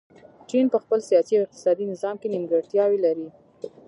چین په خپل سیاسي او اقتصادي نظام کې نیمګړتیاوې لري.